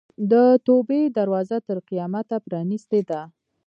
د توبې دروازه تر قیامته پرانستې ده.